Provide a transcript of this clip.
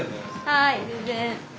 はい全然。